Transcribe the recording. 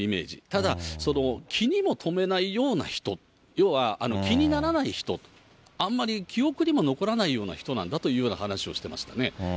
ただ、気にも留めないような人、気にならない人、あんまり記憶にも残らないような人なんだというような話をしていましたね。